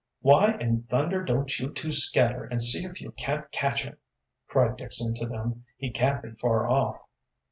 "Why in thunder don't you two scatter, and see if you can't catch him," cried Dixon to them. "He can't be far off."